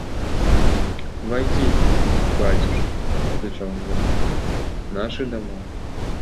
«Войди, батюшка, – отвечал инвалид, – наши дома».